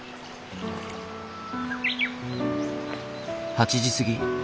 ８時過ぎ。